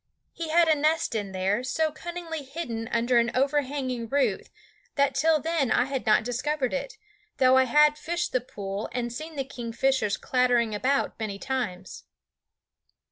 He had a nest in there, so cunningly hidden under an overhanging root that till then I had not discovered it, though I had fished the pool and seen the kingfishers clattering about many times.